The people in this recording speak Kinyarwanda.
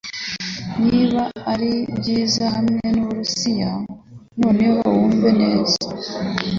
Niba ari byiza hamwe nu Burusiya, noneho wumve neza